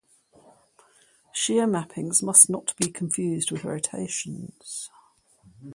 Shear mappings must not be confused with rotations.